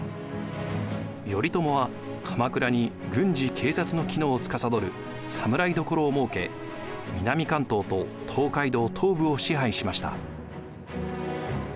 頼朝は鎌倉に軍事・警察の機能をつかさどる侍所を設け南関東と東海道東部を支配しました。